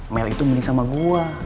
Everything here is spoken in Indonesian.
mel itu meni sama gue